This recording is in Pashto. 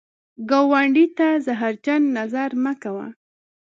ګاونډي ته زهرجن نظر مه کوه